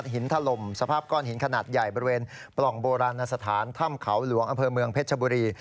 ถล่มสภาพก้อนหินขนาดใหญ่บริเวณปล่องโบราณสถานถ้ำเขาหลวงอำเภอเมืองเพชรชบุรี